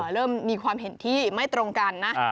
เริ่มมีความเห็นที่ไม่ตรงกันนะ